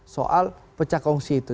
soal pecahkongsi itu